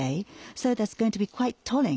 そうですね。